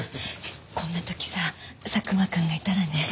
こんな時さ佐久間くんがいたらね。